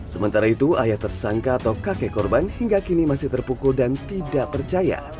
sementara itu ayah tersangka atau kakek korban hingga kini masih terpukul dan tidak percaya